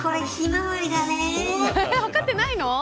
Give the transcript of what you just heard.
分かってないの。